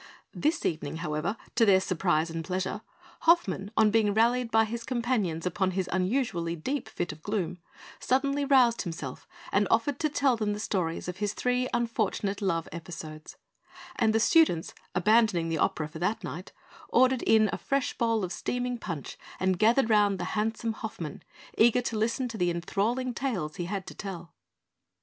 [Illustration: OFFENBACH] This evening, however, to their surprise and pleasure, Hoffmann, on being rallied by his companions upon his unusually deep fit of gloom, suddenly roused himself, and offered to tell them the stories of his three unfortunate love episodes; and the students, abandoning the opera for that night, ordered in a fresh bowl of steaming punch and gathered round the handsome Hoffmann, eager to listen to the enthralling tales he had to tell.